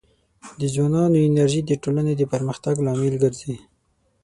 د ځوانانو انرژي د ټولنې د پرمختګ لامل ګرځي.